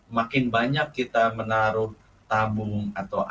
makin banyak kita menaruh tabung atau apa